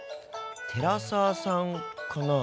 寺澤さんかな？